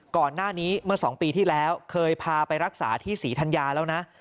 ก่อนหน้านี้เมื่อ๒ปีที่แล้วเคยพาไปรักษาที่ศรีธัญญาแล้วนะ